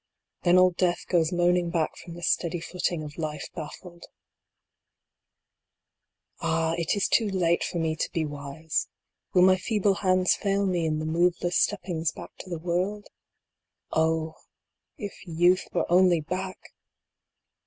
Then old death goes moaning back from the steady footing of Life baffled. 112 DYING. Ah ! is it too late for me to be wise. Will my feeble hands fail me in the moveless stoppings back to the world ? Oh ! if youth were only back